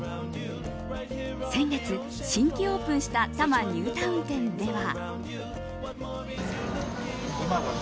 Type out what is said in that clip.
先月、新規オープンした多摩ニュータウン店では。